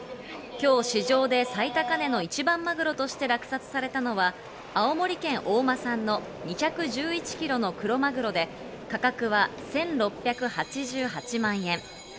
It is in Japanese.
今日、市場で最高値の一番マグロとして落差されたのは青森県大間産の２１１ｋｇのクロマグロで価格は１６８８万円。